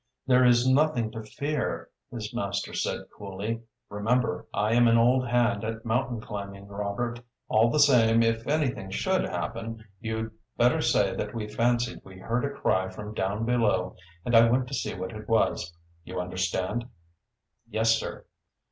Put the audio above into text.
"There is nothing to fear," his master said coolly. "Remember, I am an old hand at mountain climbing, Robert. All the same, if anything should happen, you'd better say that we fancied we heard a cry from down below and I went to see what it was. You understand?" "Yes, sir!"